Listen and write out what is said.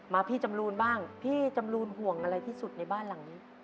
พี่จำรูนบ้างพี่จำรูนห่วงอะไรที่สุดในบ้านหลังนี้